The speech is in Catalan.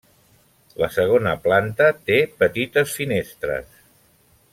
La segona planta té petites finestres.